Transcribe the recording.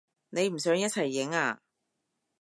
你唔想一齊影啊？